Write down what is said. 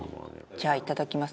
じゃあいただきます。